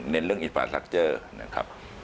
เน้นเรื่องอินฟาสตรัคเจอร์นะครับ